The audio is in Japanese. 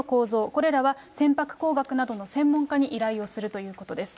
これらは船舶工学などの専門家に依頼をするということです。